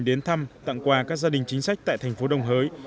đến thăm tặng quà các gia đình chính sách tại thành phố đồng hới